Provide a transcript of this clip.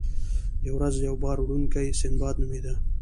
یوه ورځ یو بار وړونکی سنباد نومیده.